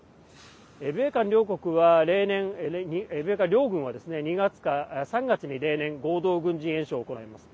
米韓両軍は、２月か３月に例年合同軍事演習を行います。